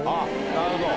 なるほど。